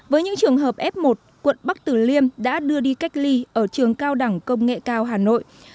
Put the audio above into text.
với những trường hợp f một quận bắc tử liêm đã đưa đi cách ly ở trường cao đẳng công nghệ cao hà nội